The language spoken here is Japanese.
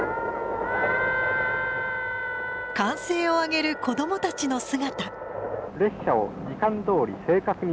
歓声を上げる子供たちの姿。